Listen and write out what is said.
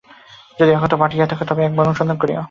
যদি একত্র পাঠাইয়া থাকো, তবে একবার অনুসন্ধান করিও।